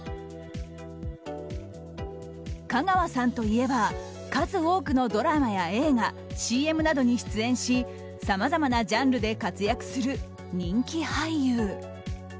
香川さんといえば数多くのドラマや映画ＣＭなどに出演しさまざまなジャンルで活躍する人気俳優。